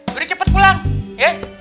jadi cepet pulang ye